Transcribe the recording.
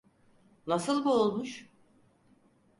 Nasıl boğulmuş?